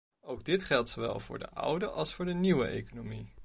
Ook dit geldt zowel voor de oude als voor de nieuwe economie.